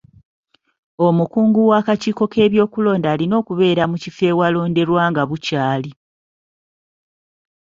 Omukungu w'akakiiko ky'ebyokulonda alina okubeera mu kifo awalonderwa nga bukyali.